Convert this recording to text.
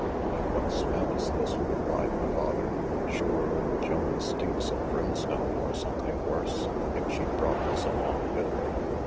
But what smell is this? replied the father; sure old Joan stinks of brimstone, or something worse, if she brought this along with her.